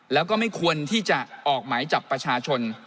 แล้วก็ไม่ควรที่จะออกหมายจับประชาชน